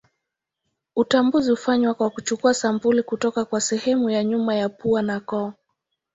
Utambuzi hufanywa kwa kuchukua sampuli kutoka kwa sehemu ya nyuma ya pua na koo.